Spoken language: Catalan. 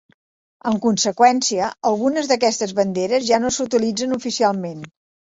En conseqüència, algunes d'aquestes banderes ja no s'utilitzen oficialment.